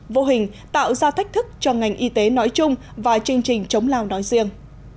vô hình tạo ra thách thức cho ngành y tế nói chung và chương trình chống lao nói riêng